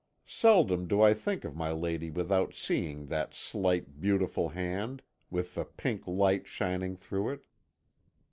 Seldom do I think of my lady without seeing that slight, beautiful hand, with the pink light shining through it.